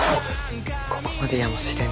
ここまでやもしれぬ。